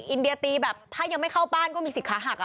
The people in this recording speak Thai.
อินเดียตีแบบถ้ายังไม่เข้าบ้านก็มีสิทธิ์ขาหัก